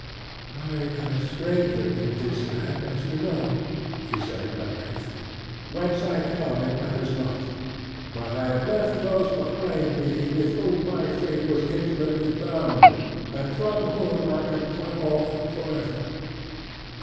"I am stranger in this land, as you know," said she, at length. "Whence I come it matters not, but I have left those behind me with whom my fate was intimately bound, and from whom I am cut off for ever.